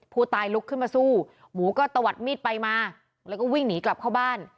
ผู้ตายลุกขึ้นมาสู้หมูก็ตวัดมีดไปมาแล้วก็วิ่งหนีกลับเข้าบ้าน